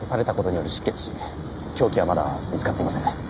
凶器はまだ見つかっていません。